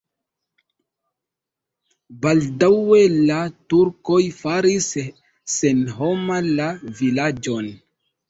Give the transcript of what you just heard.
Baldaŭe la turkoj faris senhoma la vilaĝon.